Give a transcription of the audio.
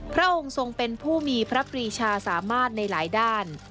พระองค์ทรงเป็นผู้มีพระปรีชาสามารถในหลายด้าน